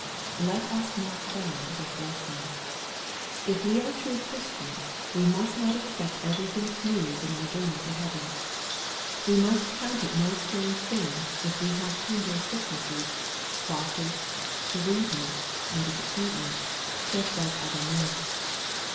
Let us mark well this lesson. If we are true Chris tians, we must not expect everything smooth in our journey to heaven. We must count it no strange thing, if we have to endure sicknesses, losses, bereavements, and disappointments, just like other men.